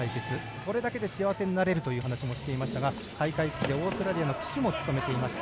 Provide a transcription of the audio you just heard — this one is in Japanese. それだけで幸せになれるという話をしていましたが開会式でオーストラリアの旗手も務めていました。